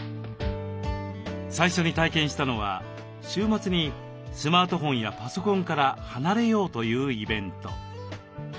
最初に体験したのは週末にスマートフォンやパソコンから離れようというイベント。